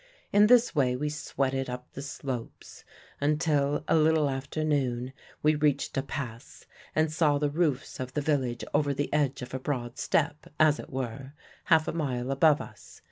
In this way we sweated up the slopes until, a little after noon, we reached a pass, and saw the roofs of the village over the edge of a broad step, as it were, half a mile above us.